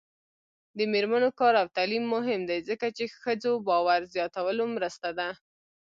د میرمنو کار او تعلیم مهم دی ځکه چې ښځو باور زیاتولو مرسته ده.